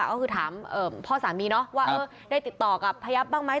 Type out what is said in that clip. ก็คือถามพ่อสามีเนาะว่าได้ติดต่อกับพยับบ้างไหม